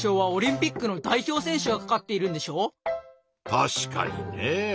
確かにねぇ。